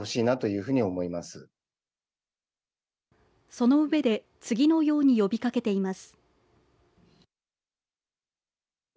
そのうえで次のように呼びかけています。